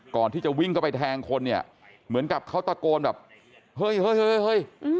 ก่อนที่จะวิ่งเข้าไปแทงคนเนี่ยเหมือนกับเขาตะโกนแบบเฮ้ยเฮ้ย